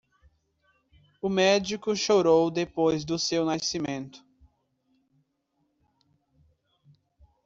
O médico chorou depois do seu nascimento.